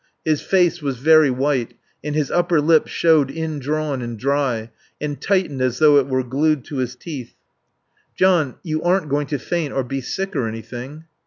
His face was very white, and his upper lip showed in drawn and dry, and tightened as though it were glued to his teeth. "John, you aren't going to faint or be sick or anything?"